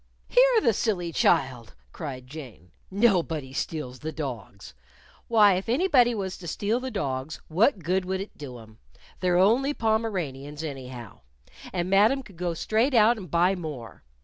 "Hear the silly child!" cried Jane. "Nobody steals the dogs! Why, if anybody was to steal the dogs what good would it do 'em? They're only Pomeranians anyhow, and Madam could go straight out and buy more.